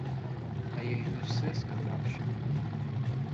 А я і не все сказав ще.